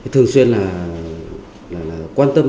thường xuyên quan tâm